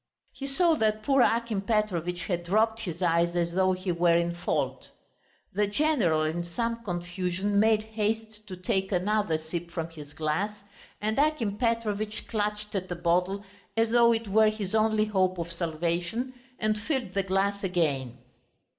He saw that poor Akim Petrovitch had dropped his eyes as though he were in fault. The general in some confusion made haste to take another sip from his glass, and Akim Petrovitch clutched at the bottle as though it were his only hope of salvation and filled the glass again.